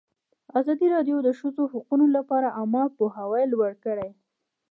ازادي راډیو د د ښځو حقونه لپاره عامه پوهاوي لوړ کړی.